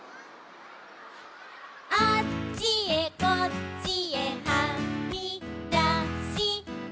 「あっちへこっちへはみだした」